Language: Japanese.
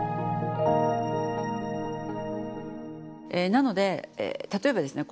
なので例えばですね